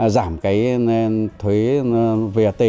giảm cái thuế vat